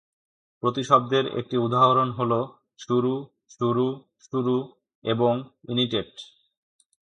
প্রতিশব্দের একটি উদাহরণ হল "শুরু", " শুরু", " শুরু" এবং "ইনিটেট"।